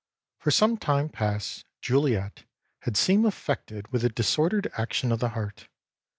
For some time past Juliette had seemed affected with a disordered action of the heart.